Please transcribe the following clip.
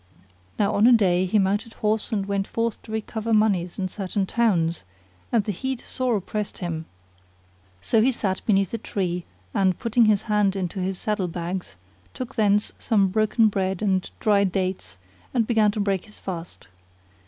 Now on a day he mounted horse and went forth to recover monies in certain towns, and the heat sore oppressed him; so he sat beneath a tree and, putting his hand into his saddle bags, took thence some broken bread and dry dates and began to break his fast.